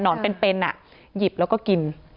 นอนเป็นหยิบแล้วก็กิน